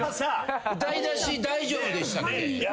歌い出し大丈夫でしたっけ。